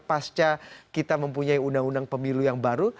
pasca kita mempunyai undang undang pemilu yang baru